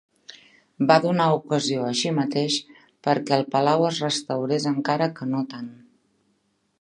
Va donar ocasió així mateix, perquè el palau es restaurés encara que no tant.